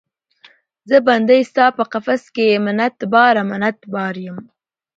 زه بندۍ ستا په قفس کې، منت باره، منت بار یم